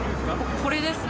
これですね。